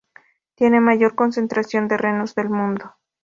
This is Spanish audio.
Tiene mayor concentración de renos del mundo.